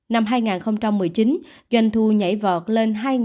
năm hai nghìn một mươi chín doanh thu nhảy vọt lên hai năm trăm chín mươi năm tỷ đồng